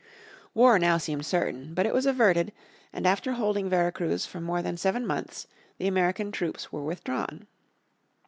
War seemed now certain. But it was averted, and after holding Vera Cruz for more than seven months the American troops were withdrawn.